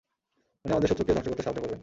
উনি আমাদের শত্রুকে ধ্বংস করতে সাহায্য করবেন!